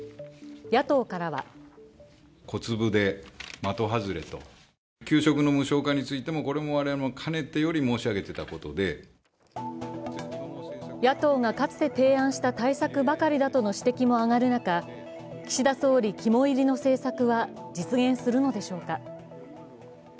野党からは野党がかつて提案した対策ばかりだとの指摘も上がる中岸田総理肝煎りの政策は実現するのでしょうか。